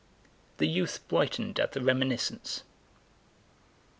The youth brightened at the reminiscence.